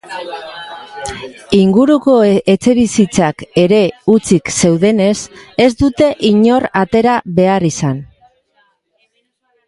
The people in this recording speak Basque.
Inguruko etxebizitzak ere hutsik zeudenez, ez dute inor atera behar izan.